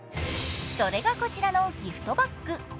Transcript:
それがこちらのギフトバッグ。